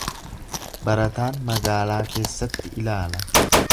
Barataan magaalaa keessatti ilaala.